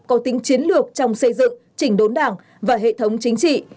có tính chiến lược trong xây dựng chỉnh đốn đảng và hệ thống chính trị